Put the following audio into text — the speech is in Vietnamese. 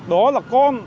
đó là con